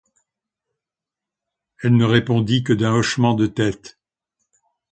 Elle ne répondit que d’un hochement de tête.